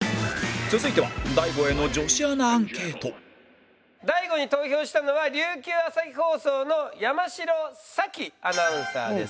続いては大悟への大悟に投票したのは琉球朝日放送の山城咲貴アナウンサーです。